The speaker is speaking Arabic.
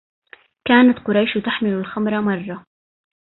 كانت قريش تحمل الخمر مرة